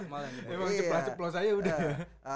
memang ceplah ceploh saya udah